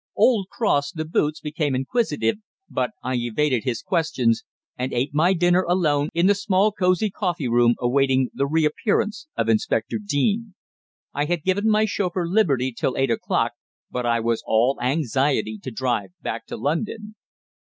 Old Cross, the boots, became inquisitive, but I evaded his questions, and ate my dinner alone in the small cosy coffee room, awaiting the reappearance of Inspector Deane. I had given my chauffeur liberty till eight o'clock, but I was all anxiety to drive back to London.